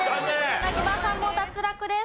柳葉さんも脱落です。